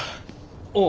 ああ。